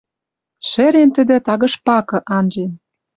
Шӹрен тӹдӹ, тагыш пакы анжен